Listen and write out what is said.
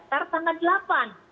padahal kita daftar tanggal delapan